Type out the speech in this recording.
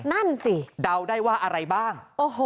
นั่นสิเดาได้ว่าอะไรบ้าง